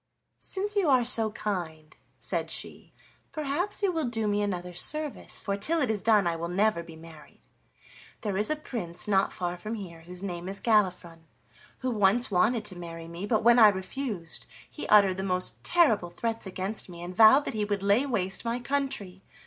"Since you are so kind," said she, "perhaps you will do me another service, for till it is done I will never be married. There is a prince not far from here whose name is Galifron, who once wanted to marry me, but when I refused he uttered the most terrible threats against me, and vowed that he would lay waste my country.